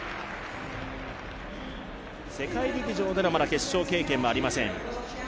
世界陸上での決勝経験はまだありません。